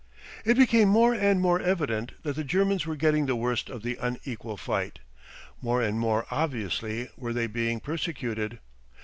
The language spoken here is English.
It became more and more evident that the Germans were getting the worst of the unequal fight. More and more obviously were they being persecuted.